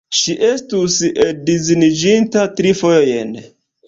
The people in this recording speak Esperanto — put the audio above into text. Ŝi estus edziniĝinta tri fojojn.